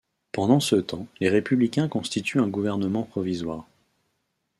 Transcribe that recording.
Pendant ce temps les républicains constituent un gouvernement provisoire.